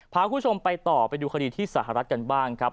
พาคุณผู้ชมไปต่อไปดูคดีที่สหรัฐกันบ้างครับ